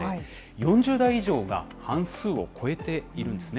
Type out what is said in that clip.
４０代以上が半数を超えているんですね。